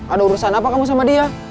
ada urusan apa kamu sama dia